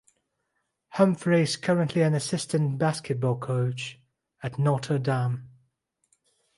Humphrey is currently an assistant basketball coach at Notre Dame.